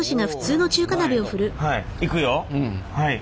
はい。